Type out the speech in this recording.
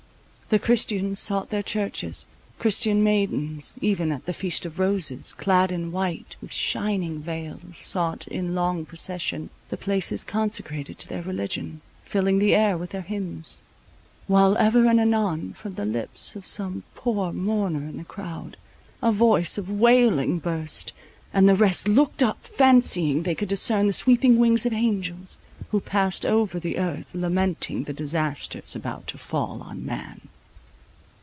The christians sought their churches,—christian maidens, even at the feast of roses, clad in white, with shining veils, sought, in long procession, the places consecrated to their religion, filling the air with their hymns; while, ever and anon, from the lips of some poor mourner in the crowd, a voice of wailing burst, and the rest looked up, fancying they could discern the sweeping wings of angels, who passed over the earth, lamenting the disasters about to fall on man.